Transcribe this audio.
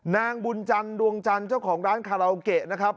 นางบุญจันทร์ดวงจันทร์เจ้าของร้านคาราโอเกะนะครับ